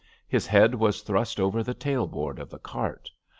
His head was thrust over the tailboard of the cart.